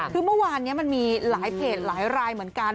คือเมื่อวานนี้มันมีหลายเพจหลายรายเหมือนกัน